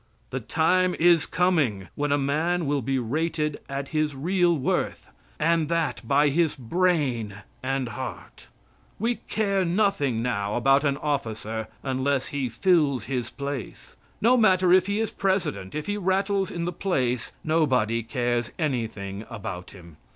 The time is coming when a man will be rated at his real worth, and that by his brain and heart. We care nothing now about an officer unless he fills his place. No matter if he is president, if he rattles in the place nobody cares anything about him.